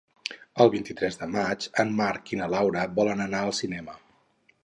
El vint-i-tres de maig en Marc i na Laura volen anar al cinema.